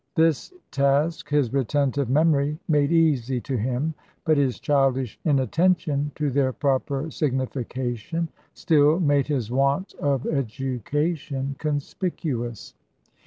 This task his retentive memory made easy to him; but his childish inattention to their proper signification still made his want of education conspicuous.